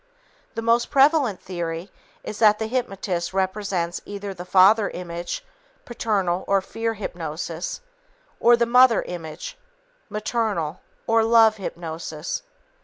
The most prevalent theory is that the hypnotist represents either the father image (paternal or fear hypnosis) or the mother image (maternal or love hypnosis).